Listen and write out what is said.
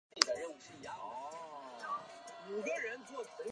沈阳橡胶研究设计院全资拥有。